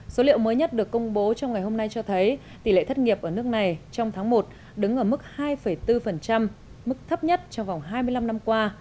số liệu mới nhất được công bố trong ngày hôm nay cho thấy tỷ lệ thất nghiệp ở nước này trong tháng một đứng ở mức hai bốn mức thấp nhất trong vòng hai mươi năm năm qua